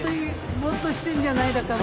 「ボーっとしてんじゃない」だか。